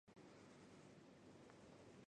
在元朝至正九年由严德甫和晏天章写成。